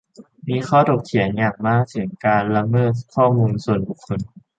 มีข้อถกเถียงอย่างมากถึงการละเมิดข้อมูลส่วนบุคคล